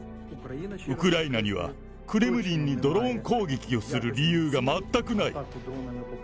ウクライナには、クレムリンにドローン攻撃をする理由が全くない。